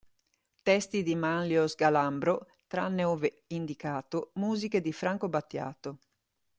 Testi di Manlio Sgalambro, tranne ove indicato, musiche di Franco Battiato.